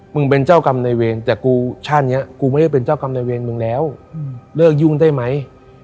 เป็นเจ้ากรรมในเวรแต่กูชาตินี้กูไม่ได้เป็นเจ้ากรรมในเวรมึงแล้วเลิกยุ่งได้ไหม